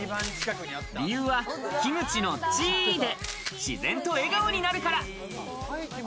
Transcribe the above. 理由はキムチのチで自然と笑顔になるから。